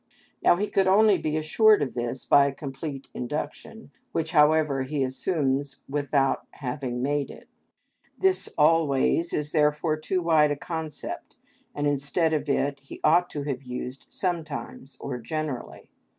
Now he could only be assured of this by a complete induction, which, however, he assumes without having made it. This "always" is therefore too wide a concept, and instead of it he ought to have used "sometimes" or "generally."